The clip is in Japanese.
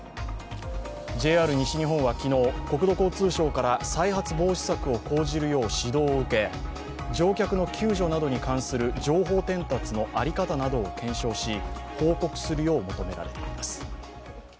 ＪＲ西日本は昨日、国土交通省から再発防止策を講じるよう指導を受け乗客の救助などに関する情報伝達の在り方などを検証し、報告するよう求められています。